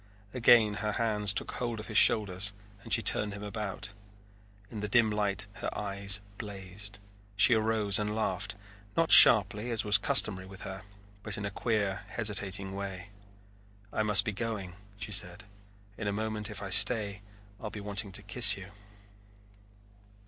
Again her hands took hold of his shoulders and she turned him about. In the dim light her eyes blazed. She arose and laughed, not sharply as was customary with her, but in a queer, hesitating way. "I must be going," she said. "In a moment, if I stay, I'll be wanting to kiss you."